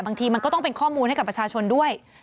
บางทีมันก็ต้องเป็นข้อมูลให้กับประชาชนด้วย